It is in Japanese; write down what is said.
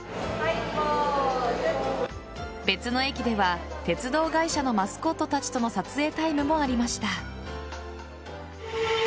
別の駅では、鉄道会社のマスコットたちとの撮影タイムもありました。